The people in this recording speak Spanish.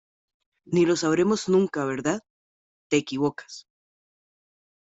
ni lo sabremos nunca, ¿ verdad? te equivocas ,